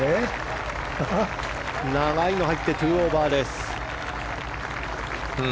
長いの入って、２オーバーです。